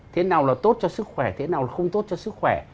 thế nào là tốt cho sức khỏe thế nào là không tốt cho sức khỏe